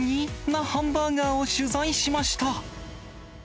なハンバーガーを取材しました。